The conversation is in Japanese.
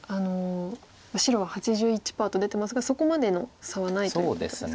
白は８１％と出てますがそこまでの差はないということですか。